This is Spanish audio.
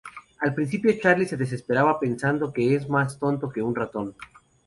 Al principio Charlie se desespera pensando que es más tonto que un ratón.